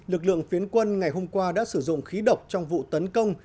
lực lượng phiến quân ngày hôm qua đã sử dụng khí độc trong vụ tấn công